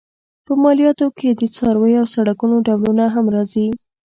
په مالیاتو کې د څارویو او سړکونو ډولونه هم راځي.